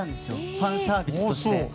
ファンサービスとして。